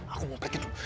aku mau pikir tuh